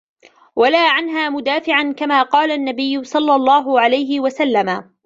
وَلَا عَنْهَا مُدَافِعًا كَمَا قَالَ النَّبِيُّ صَلَّى اللَّهُ عَلَيْهِ وَسَلَّمَ